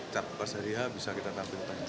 cap persedia bisa kita tampilkan dulu